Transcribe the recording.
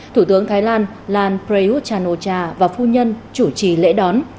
thủ tướng thái lan lan prayuth chan o cha và phu nhân chủ trì lễ đón